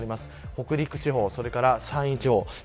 北陸地方、それから山陰地方